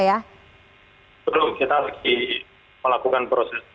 belum kita lagi melakukan proses